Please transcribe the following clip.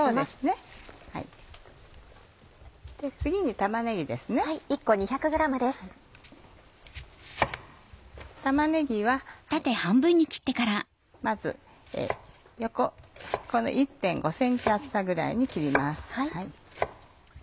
玉ねぎはまず横１．５ｃｍ厚さぐらいに切ります。